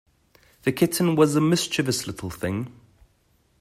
The kitten was a mischievous little thing.